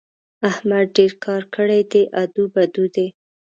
احمد ډېر کار کړی دی؛ ادو بدو دی.